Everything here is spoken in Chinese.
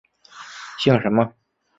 姓什么？